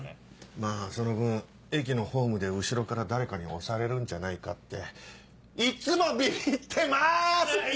まぁその分駅のホームで後ろから誰かに押されるんじゃないかっていっつもビビってます！